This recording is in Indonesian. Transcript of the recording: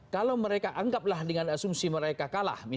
kalau mereka anggaplah dengan asumsi mereka kalah